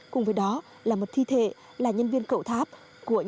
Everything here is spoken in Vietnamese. cùng với đó là một thi thể là nhân viên cậu tháp của